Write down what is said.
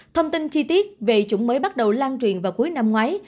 thông tin chi tiết về chủng mới bắt đầu lan truyền vào cuối năm ngoái